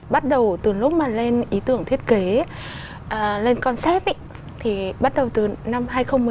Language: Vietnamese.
bắt đầu từ lúc mà lên ý tưởng thiết kế lên conc thì bắt đầu từ năm hai nghìn một mươi